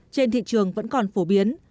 trên thị trường vẫn còn phổ biến